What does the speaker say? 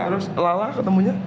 lalu lala ketemunya